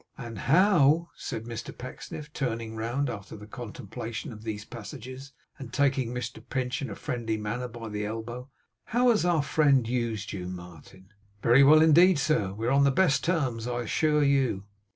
'And how,' said Mr Pecksniff, turning round after the contemplation of these passages, and taking Mr Pinch in a friendly manner by the elbow, 'how has our friend used you, Martin?' 'Very well indeed, sir. We are on the best terms, I assure you.